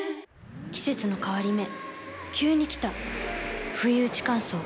季節の変わり目急に来たふいうち乾燥。